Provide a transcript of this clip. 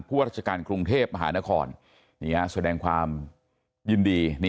ราชการกรุงเทพมหานครแสดงความยินดี